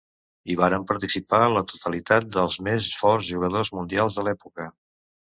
Hi varen participar la totalitat dels més forts jugadors mundials de l’època.